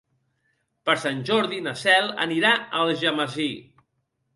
Per Sant Jordi na Cel anirà a Algemesí.